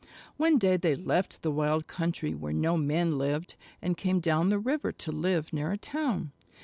One day they left the wild country where no men lived, and came down the river to live near a town.